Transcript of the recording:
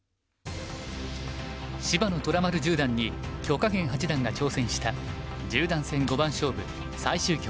芝野虎丸十段に許家元八段が挑戦した十段戦五番勝負最終局。